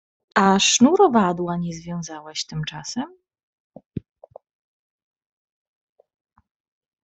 A sznurowadła nie związałeś tymczasem?